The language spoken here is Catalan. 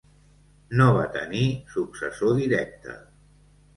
No va tenir successor directe.